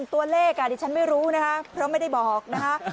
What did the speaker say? ตัวเลขดิฉันไม่รู้นะคะเพราะไม่ได้บอกนะคะ